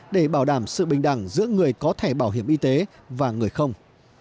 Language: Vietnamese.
để bảo đảm sự bình đẳng giữa người có thẻ bảo hiểm y tế và người không